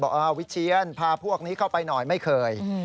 วิเชียนพาพวกนี้เข้าไปหน่อยไม่เคย